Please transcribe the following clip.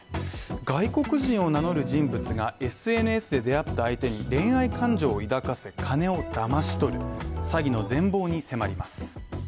外国人を名乗る人物がＳＮＳで出会った相手に恋愛感情を抱かせ、金をだまし取る詐欺の全貌に迫ります。